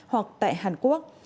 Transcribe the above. hoặc tại hàn quốc